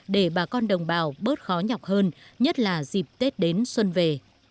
để bà con đồng bào bớt khó nhọc hơn nhất là dịp tết đến xuân về